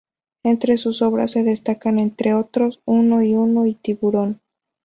Entre sus obras se destacan, entre otros, "Uno y uno" y "Tiburón".